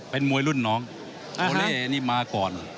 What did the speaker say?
เป็นมวยรุ่นน้องโอเล่นี่มาก่อน